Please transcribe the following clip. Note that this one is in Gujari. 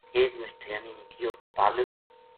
ایک ماشٹریانی نے کہیو:”پالک